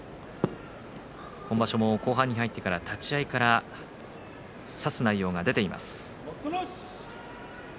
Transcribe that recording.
今場所も後半に入ってから立ち合いから差す内容が出ています。